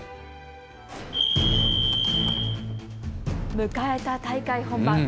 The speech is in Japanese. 迎えた大会本番。